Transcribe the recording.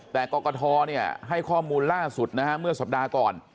แต่กรกฐให้ข้อมูลล่าสุดนะฮะเมื่อสัปดาห์ก่อน